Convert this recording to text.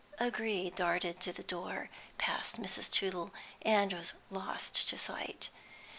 O'Gree darted to the door, past Mrs. Tootle, and was lost to sight.